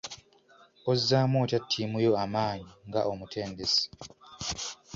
Ozzaamu otya ttiimu yo amaanyi nga omutendesi?